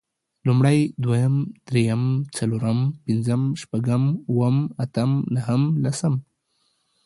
لومړی، دويم، درېيم، څلورم، پنځم، شپږم، اووم، اتم نهم، لسم